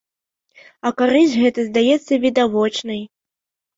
А карысць гэта здаецца відавочнай.